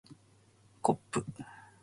こっぷ